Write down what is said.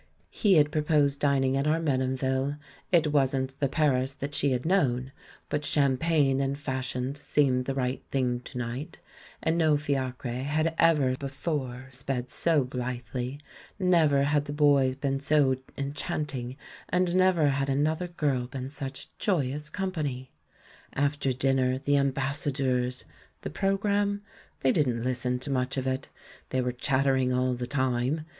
He had proposed dining at Armenonville — it wasn't the Paris that she had knovtn, but champagne and fashion seemed the right thing to night; and no fiacre had ever before sped so blithely, never had the Bois been so enchanting, and never had another girl been such joyous company. After dinner, the Ambassadeurs ! The programme? They didn't listen to much of it, they were chattering <ill the time.